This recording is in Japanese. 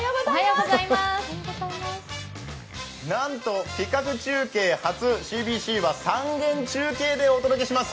なんと企画中継初、ＣＢＣは３元中継でお届けします。